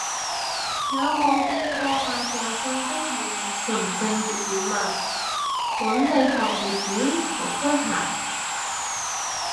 有冇見過白撞訊息係用純正粵語問，搵你學粵語？好詼諧